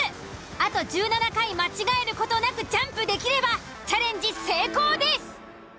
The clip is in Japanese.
あと１７回間違える事なくジャンプできればチャレンジ成功です。